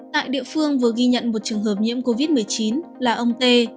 tại địa phương vừa ghi nhận một trường hợp nhiễm covid một mươi chín là ông tê